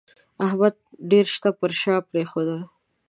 احمد ډېر شته پر شا پرېښول